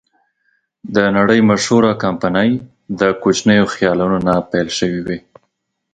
د نړۍ مشهوره کمپنۍ د کوچنیو خیالونو نه پیل شوې وې.